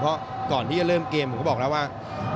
เพราะก่อนที่จะเริ่มเกมผมก็บอกแล้วว่า